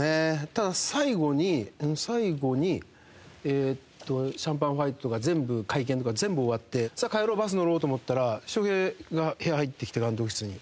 ただ最後に最後にえーっとシャンパンファイトとか全部会見とか全部終わってさあ帰ろうバス乗ろうと思ったら翔平が部屋へ入ってきて監督室に。